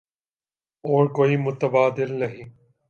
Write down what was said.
اور کوئی متبادل نہیں۔